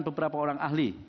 beberapa orang ahli